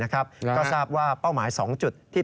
ก็ทราบว่าเป้าหมายสองจุด